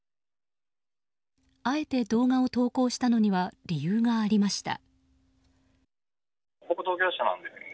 あえて動画を投稿したのには理由がありました。